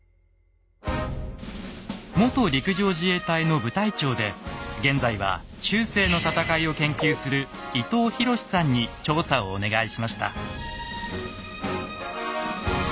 元陸上自衛隊の部隊長で現在は中世の戦いを研究する伊東寛さんに調査をお願いしました。